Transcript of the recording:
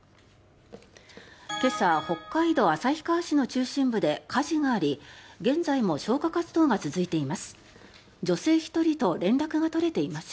今朝、北海道旭川市の中心部で火事があり現在も消火活動が続いています。